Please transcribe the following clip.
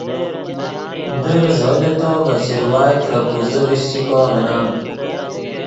در زو لے تو ڤے چروائے ترے پوزے ڤشچیکو ڤینم